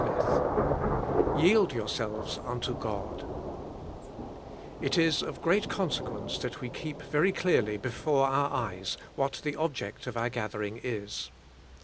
193 44 JSielD ^orxvBClvcB xanto aoD/* It is of great consequence that we keep very clear ly before our eyes what the object of our gathering is.